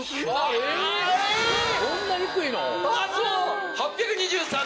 そんな低いの？